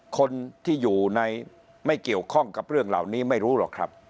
คนที่อยู่ในไม่เกี่ยวข้องกับเรื่องเหล่านี้ไม่รู้หรอกครับ